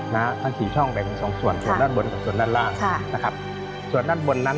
นะค่ะสี่ช่องเปลี่ยนเป็น๒ส่วนส่วนด้านบนกับส่วนด้านล่าง